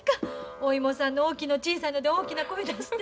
お芋さんの大きいの小さいので大きな声出して。